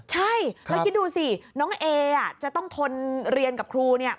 ใช่แล้วคิดดูสิน้องเอจะต้องทนเรียนกับครูเนี่ย